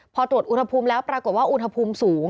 พอตรวจอุณหภูมิแล้วปรากฏว่าอุณหภูมิสูง